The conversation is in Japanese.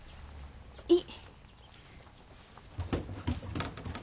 いい。